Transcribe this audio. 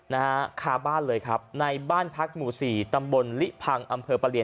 นะฮะคาบ้านเลยครับในบ้านพักหมู่สี่ตำบลลิพังอำเภอประเรียน